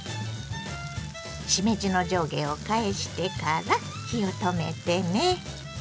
しめじの上下を返してから火を止めてね。